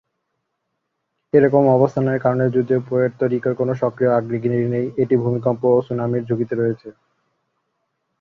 এরকম অবস্থানের কারনে যদিও পুয়ের্তো রিকোয় কোন সক্রিয় আগ্নেয়গিরি নেই, এটি ভূমিকম্প ও সুনামির ঝুঁকিতে রয়েছে।